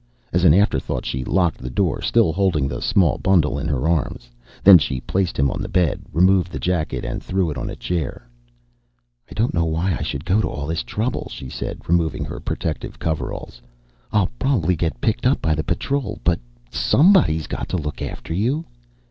As an afterthought she locked the door, still holding the small bundle in her arms. Then she placed him on a bed, removed the jacket and threw it on a chair. "I don't know why I should go to all this trouble," she said, removing her protective coveralls. "I'll probably get picked up by the Patrol. But somebody's got to look after you."